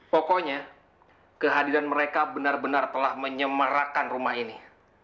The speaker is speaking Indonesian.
pokoknya kehadiran mereka benar benar telah menyemarakan rumah ini